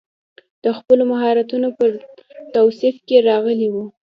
د خپلو مهارتونو پر توصیف کې راغلی و.